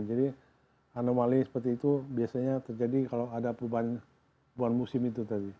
jadi anomali seperti itu biasanya terjadi kalau ada perubahan musim itu tadi